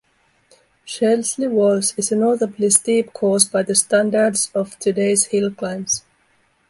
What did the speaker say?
Shelsley Walsh is a notably steep course by the standards of today's hillclimbs.